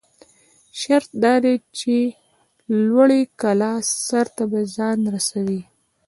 شرط دا دى، چې لوړې کلا سر ته به ځان رسوٸ.